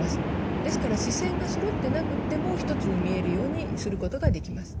ですから視線がそろってなくっても１つに見えるようにすることができます。